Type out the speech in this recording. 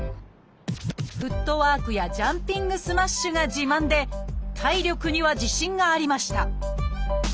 フットワークやジャンピングスマッシュが自慢で体力には自信がありました。